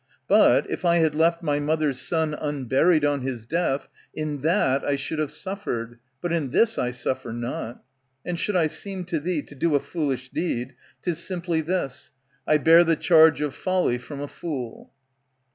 But, if I had left My mother's son unburied on his death. In that I should have suffered ; but in this I suffer not. And should I seem to thee To do a foolish deed, 'tis simply this, — I bear the charge of folly from a fool.